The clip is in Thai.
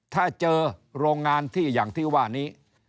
ถ้าเจอโรงงานที่อย่างที่ว่านี้